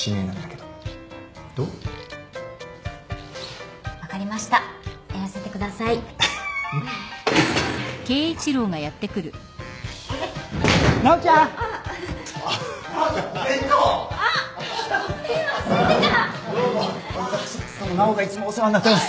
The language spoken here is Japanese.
どうも奈緒がいつもお世話になってます。